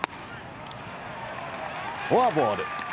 フォアボール。